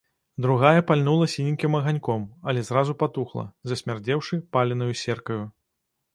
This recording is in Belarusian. Другая пальнула сіненькім аганьком, але зразу патухла, засмярдзеўшы паленаю серкаю.